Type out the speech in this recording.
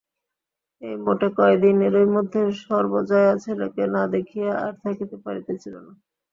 এই মোটে কয়দিন, এরই মধ্যে সর্বজয়া ছেলেকে না দেখিয়া আর থাকিতে পারিতেছিল না।